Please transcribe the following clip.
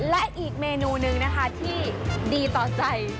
และอีกเมนูหนึ่งนะคะที่ดีต่อใจ